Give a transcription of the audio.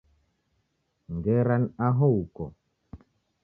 Ngera ni aho uko